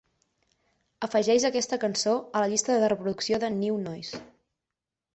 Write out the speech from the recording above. afegeix aquesta cançó a la llista de reproducció de New Noise.